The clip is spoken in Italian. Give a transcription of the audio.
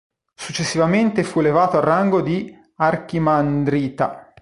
Successivamente fu elevato al rango di archimandrita.